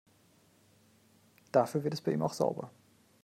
Dafür wird es bei ihm auch sauber.